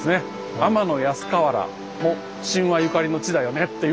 天安河原も神話ゆかりの地だよねっていわれました